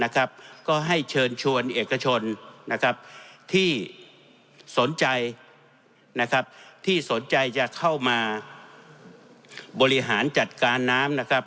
ก็ให้เชิญชวนเอกชนที่สนใจจะเข้ามาบริหารจัดการน้ำ